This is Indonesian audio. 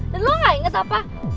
dan kamu tidak ingat apa